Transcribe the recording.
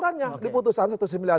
nah itu boleh